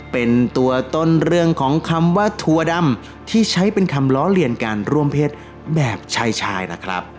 เป็นตัวต้นเรื่องของคำว่าถั่วดำที่ใช้เป็นคำล้อเลียนการร่วมเพศแบบชายชายนะครับ